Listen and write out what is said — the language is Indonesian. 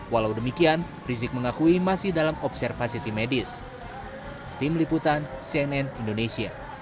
walau demikian rizik mengakui masih dalam observasi tim medis